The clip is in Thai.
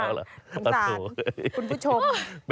อันสารคุณผู้ชม